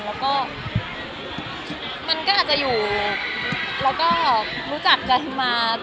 แล้วก็มันก็อาจจะอยู่แล้วก็รู้จักกันมา